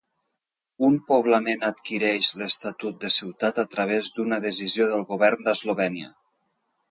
Un poblament adquireix l'estatut de ciutat a través d'una decisió del Govern d'Eslovènia.